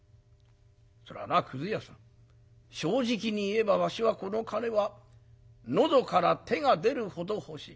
それはなくず屋さん正直に言えばわしはこの金はのどから手が出るほど欲しい。